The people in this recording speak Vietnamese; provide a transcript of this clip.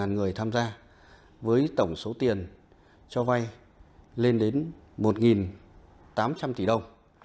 một trăm sáu mươi người tham gia với tổng số tiền cho vay lên đến một tám trăm linh tỷ đồng